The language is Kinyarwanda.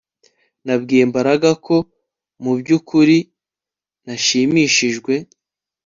Nabwiye Mbaraga ko mubyukuri ntashimishijwe